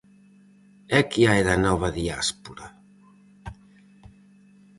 E que hai da nova diáspora?